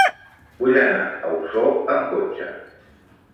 Vull anar a Osor amb cotxe.